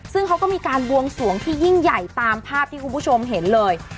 ซึ่งเขาก็มีการบวงสวงที่ยิ่งใหญ่ตามภาพที่คุณผู้ชมเห็นเลย